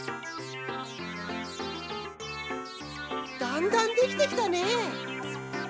だんだんできてきたね。